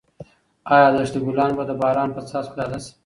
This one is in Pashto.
ایا د دښتې ګلان به د باران په څاڅکو تازه شي؟